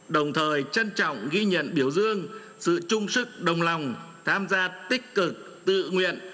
đồng thời trân trọng ghi nhận biểu dương sự trung sức đồng lòng tham gia tích cực tự nguyện